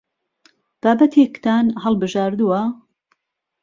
بابەتێکتان هەڵبژاردووە؟